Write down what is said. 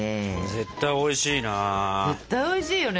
絶対おいしいな。